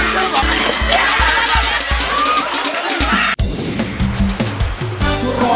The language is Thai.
เดี๋ยว